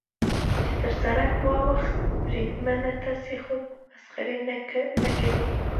چې تر سړک واوښت، بریدمنه، تاسې خو به مسخرې نه کوئ.